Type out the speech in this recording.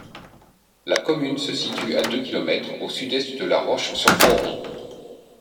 La commune se situe à deux kilomètres au sud-est de La Roche-sur-Foron.